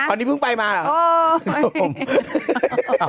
อันนี้เพิ่งไปมาล่ะ